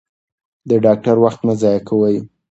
د ډاکټر وخت مه ضایع کوئ.